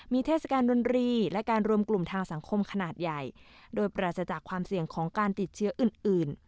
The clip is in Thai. มีเทศกาลดนตรีและการรวมกลุ่มทางสังคมขนาดใหญ่โดยปราศจากความเสี่ยงของการติดเชื้ออื่นอื่น